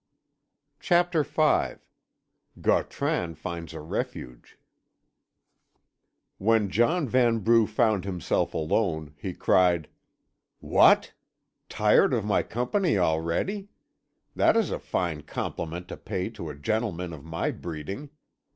CHAPTER V GAUTRAN FINDS A REFUGE When John Vanbrugh found himself alone he cried: "What! Tired of my company already? That is a fine compliment to pay to a gentleman of my breeding.